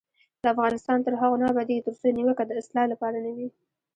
افغانستان تر هغو نه ابادیږي، ترڅو نیوکه د اصلاح لپاره نه وي.